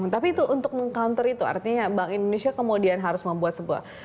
tapi itu untuk meng counter itu artinya bank indonesia kemudian harus membuat sebuah